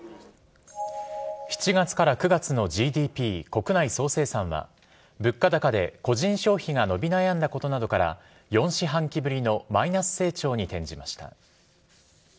７月から９月のＧＤＰ・国内総生産は、物価高で個人消費が伸び悩んだことなどから、４四半期ぶりのマイナス成長に転じました。